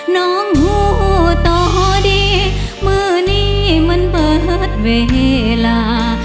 น้องผู้ต่อดีมือนี้มันเปิดเวลา